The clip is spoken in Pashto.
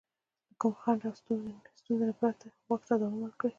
له کوم خنډ او ستونزې پرته واک ته دوام ورکړي.